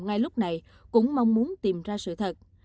ngay lúc này cũng mong muốn tìm ra sự thật